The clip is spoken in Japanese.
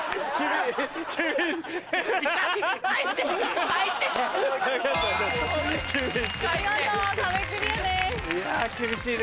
いや厳しいね！